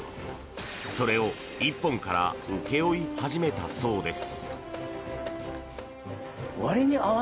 それを、１本から請け負い始めたそうです。